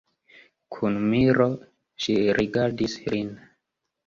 Kun miro ŝi rigardis lin.